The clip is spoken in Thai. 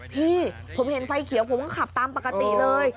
พี่ผมเห็นไฟเขียวผมก็ขับตามปกติเลย